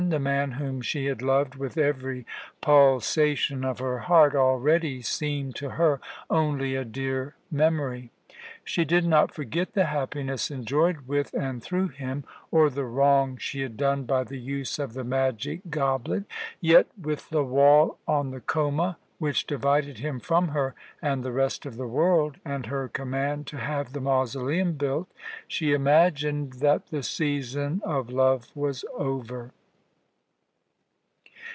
The man whom she had loved with every pulsation of her heart already seemed to her only a dear memory. She did not forget the happiness enjoyed with and through him, or the wrong she had done by the use of the magic goblet; yet with the wall on the Choma, which divided him from her and the rest of the world, and her command to have the mausoleum built, she imagined that the season of love was over.